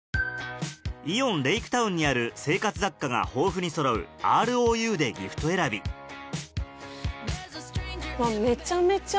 イオンレイクタウンにある生活雑貨が豊富にそろうＲ．Ｏ．Ｕでギフト選びうわめちゃめちゃ